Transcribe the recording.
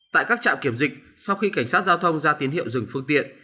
tại các trạm kiểm dịch sau khi cảnh sát giao thông ra tiến hiệu dừng phương tiện